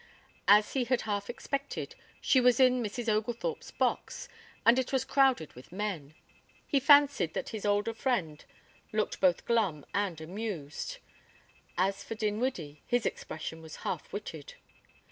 As he had half expected, she was in Mrs. Oglethorpe's box, and it was crowded with men. He fancied that his older friend looked both glum and amused. As for Dinwiddie, his expression was half witted.